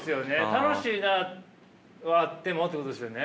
楽しいなはあってもってことですよね。